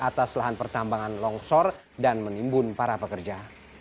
atas lahan pertambangan longsor dan menimbun para pekerja